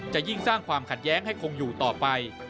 จะยิ่งสร้างความขัดแย้งให้คงอยู่ต่อไป